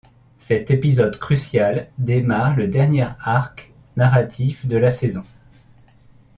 Cet épisode crucial démarre le dernier arc narratif de la saison.